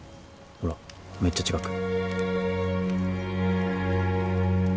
ほらめっちゃ近く。